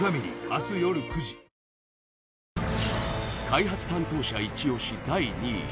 開発担当者イチ押し第２位